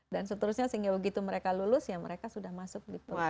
dan seterusnya sehingga begitu mereka lulus ya mereka sudah masuk di program